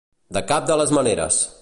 De cap de les maneres!